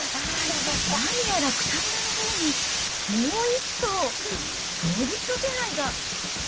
何やら草むらのほうに、もう１頭動物の気配が。